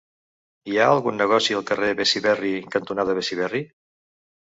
Hi ha algun negoci al carrer Besiberri cantonada Besiberri?